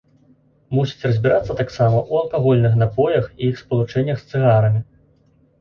Мусіць разбірацца таксама ў алкагольных напоях і іх спалучэннях з цыгарамі.